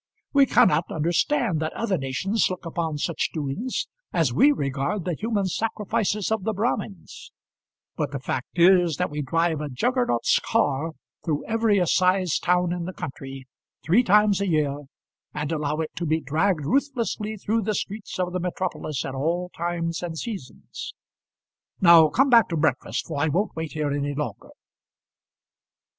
We cannot understand that other nations look upon such doings as we regard the human sacrifices of the Brahmins; but the fact is that we drive a Juggernaut's car through every assize town in the country, three times a year, and allow it to be dragged ruthlessly through the streets of the metropolis at all times and seasons. Now come back to breakfast, for I won't wait here any longer."